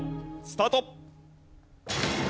スタート！